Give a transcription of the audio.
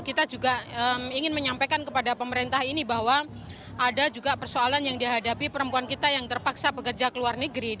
kita juga ingin menyampaikan kepada pemerintah ini bahwa ada juga persoalan yang dihadapi perempuan kita yang terpaksa bekerja ke luar negeri